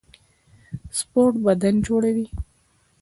سپورټ بدن جوړوي